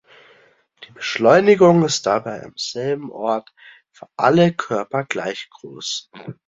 Die Beschleunigung ist dabei am selben Ort für alle Körper gleich groß.